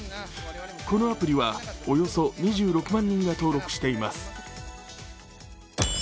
このアプリはおよそ２６万人が登録しています。